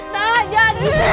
nak jangan gitu nak